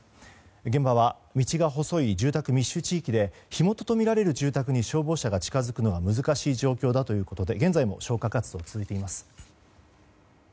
現場は道が細い住宅密集地域で火元とみられる住宅に消防車が近づくのが難しい状況だということで現在も消火活動が続いています。